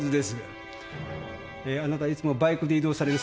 あなたいつもバイクで移動される